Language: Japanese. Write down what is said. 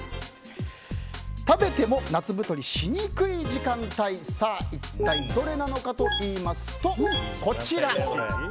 食べても夏太りしにくい時間帯一体、どれなのかと言いますとこちら。